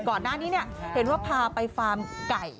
ก่อนหน้านี้เห็นว่าพาไปฟาร์มไก่